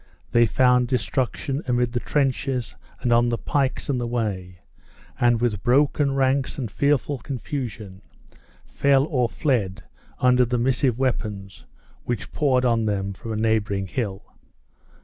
They found destruction amid the trenches and on the pikes in the way, and with broken ranks and fearful confusion, fell or fled under the missive weapons which poured on them from a neighboring hill.